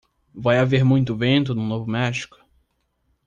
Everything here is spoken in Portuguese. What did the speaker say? Vai haver muito vento no Novo México?